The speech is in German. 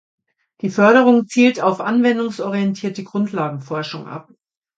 Die Förderung zielt auf anwendungsorientierte Grundlagenforschung ab.